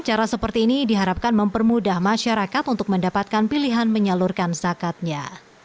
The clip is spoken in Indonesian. cara seperti ini diharapkan mempermudah masyarakat untuk mendapatkan pilihan menyalurkan zakatnya